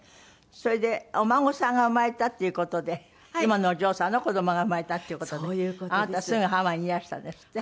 それでお孫さんが生まれたっていう事で今のお嬢さんの子供が生まれたっていう事であなたすぐハワイにいらしたんですって？